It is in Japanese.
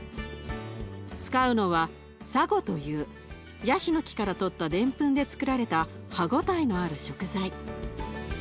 使うのはサゴというヤシの木からとったデンプンでつくられた歯応えのある食材。